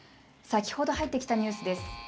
先ほど入ってきたニュースです。